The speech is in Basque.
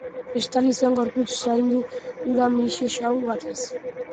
Estali zuen gorputz saindu hura mihise xahu batez.